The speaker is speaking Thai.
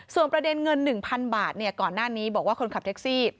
ส่วนประเด็นเงิน๑๐๐๐บาทก่อนหน้านี้บอกว่าคนขับแท็กซี่